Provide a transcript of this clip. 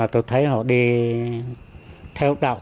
tôi thấy họ đi theo đạo